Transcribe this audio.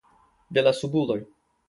De la subuloj.